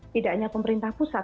tidak hanya pemerintah pusat